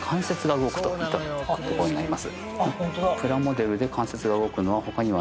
プラモデルで。